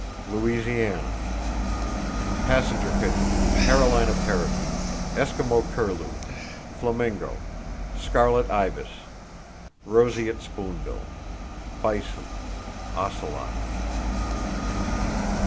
Louisiana: Passenger pigeon, Carolina parrakeet, Eskimo curlew, flamingo, scarlet ibis, roseate spoonbill; bison, ocelot.